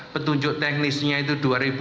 petunjuk teknisnya itu dua ribu delapan belas